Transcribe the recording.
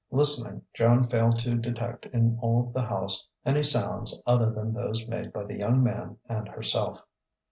Listening, Joan failed to detect in all the house any sounds other than those made by the young man and herself.